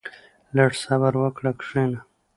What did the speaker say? • لږ صبر وکړه، کښېنه.